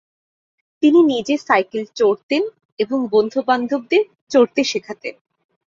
তিনি নিজে সাইকেল চড়তেন এবং বন্ধু বান্ধবদের চড়তে শেখাতেন।